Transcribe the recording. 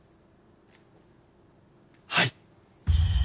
はい。